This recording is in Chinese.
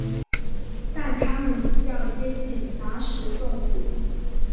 但它们比较接近杂食动物。